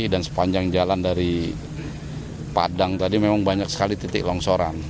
sepanjang jalan dari padang tadi memang banyak sekali titik longsoran